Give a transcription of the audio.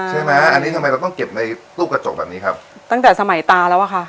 ใช่ไหมอันนี้ทำไมเราต้องเก็บในตู้กระจกแบบนี้ครับตั้งแต่สมัยตาแล้วอะค่ะ